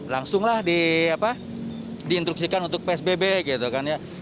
langsunglah diinstruksikan untuk psbb gitu kan ya